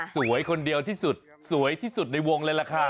สวยคนเดียวที่สุดสวยที่สุดในวงเลยล่ะค่ะ